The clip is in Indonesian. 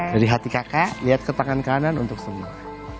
dari hati kakak lihat ke tangan kanan untuk semua